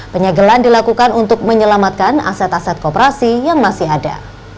penyegelan dilakukan untuk menyelamatkan aset aset kooperasi yang masih ada